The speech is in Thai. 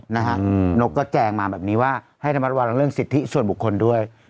นกก็แจงมาแบบนี้ว่าให้ระมัดระวังเรื่องสิทธิส่วนบุคคลด้วย